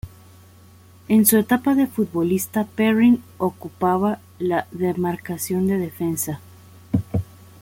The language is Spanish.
En su etapa de futbolista, Perrin ocupaba la demarcación de defensa.